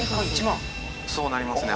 そうなりますね。